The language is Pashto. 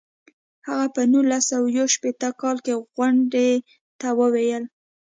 هغه په نولس سوه یو شپیته کال کې غونډې ته وویل.